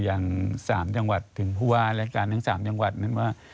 เตือนไปอย่าง๓จังหวัดถึงภูวะและการทั้ง๓จังหวัดนั้นว่า